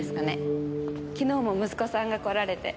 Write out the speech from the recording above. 昨日も息子さんが来られて。